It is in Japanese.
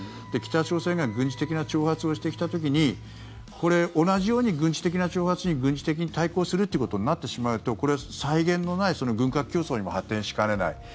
北朝鮮が軍事的な挑発をしてきた時にこれ、同じように軍事的な挑発に軍事的に対抗するってことになってしまうとこれは際限のない軍拡競争にも発展しかねない。